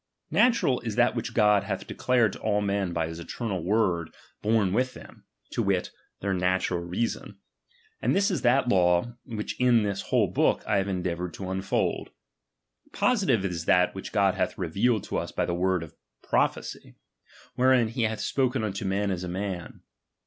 Natural is i». that which God hath declared to all men by his eternal word born with them, to wit, their natural reason ; and this is that law, which in this whole book I have endeavoured to unfold. Positive is that, which God hath revealed to us by the word of prophecy, wherein he hath spoken unto men as a man.